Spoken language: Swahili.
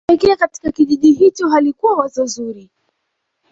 kuelekea katika kijiji hicho halikuwa wazo zuri